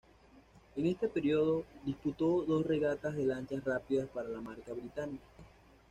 En este período, disputó dos regatas de lanchas rápidas para la marca británica.